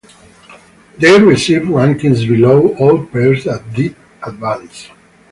They received rankings below all pairs that did advance.